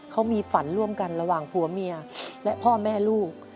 เขามีฝันร่วมกันระหว่างผัวเมียและพ่อแม่ลูก